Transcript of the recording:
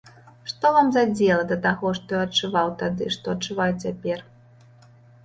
Што вам за дзела да таго, што я адчуваў тады, што адчуваю цяпер?